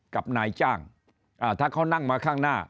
กับนายจ้างถ้าเขานั่งมาข้างหน้า